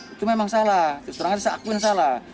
itu memang salah terserangnya saya akui salah